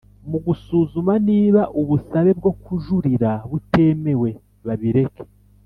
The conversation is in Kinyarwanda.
Mu gusuzuma niba ubusabe bwo kujurira butemewe babireke